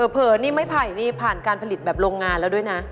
เผลอนี่ไม้ไผ่นี่ผ่านการผลิตแบบโรงงานแล้วด้วยนะ